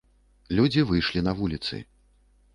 Людзі выйшлі на вуліцы.